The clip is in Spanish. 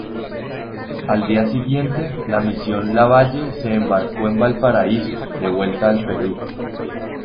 Al día siguiente, la misión Lavalle se embarcó en Valparaíso, de vuelta al Perú.